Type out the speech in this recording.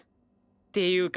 っていうか